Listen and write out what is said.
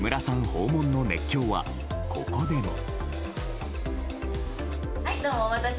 訪問の熱狂はここでも。